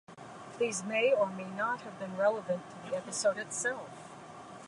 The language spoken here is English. These may or may not have been relevant to the episode itself.